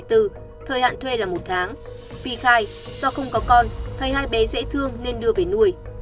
thời hạn thuê là một tháng my khai do không có con thấy hai bé dễ thương nên đưa về nuôi